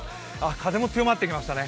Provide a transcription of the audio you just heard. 風も強まってきましたね。